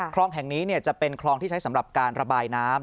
คลองแห่งนี้จะเป็นคลองที่ใช้สำหรับการระบายน้ำ